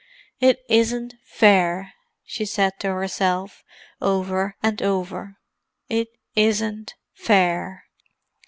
"It isn't fair!" she said to herself, over and over. "It isn't fair!"